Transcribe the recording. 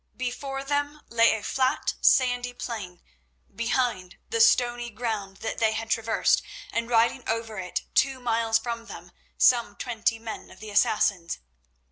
Before them lay a flat, sandy plain; behind, the stony ground that they had traversed, and riding over it, two miles from them, some twenty men of the Assassins.